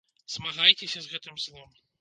Змагайцеся з гэтым злом.